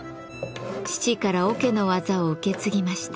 父から桶の技を受け継ぎました。